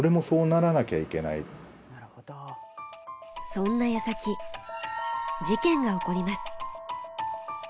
そんなやさき事件が起こります。